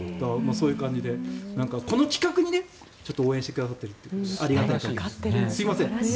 そういう感じでこの企画に応援してくださっているというありがたいです。